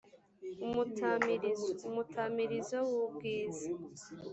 umutamirizo : umutamirizo w’ubwiza